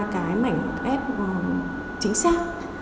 cái mảnh ép chính xác